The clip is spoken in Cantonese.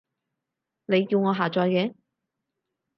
你叫我下載嘅